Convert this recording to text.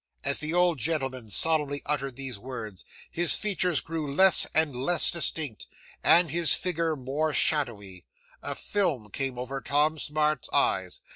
'As the old gentleman solemnly uttered these words, his features grew less and less distinct, and his figure more shadowy. A film came over Tom Smart's eyes.